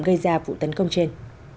gây ra vụ tấn công trên